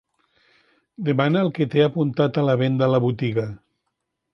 Demana el que t'he apuntat a la venda a la botiga.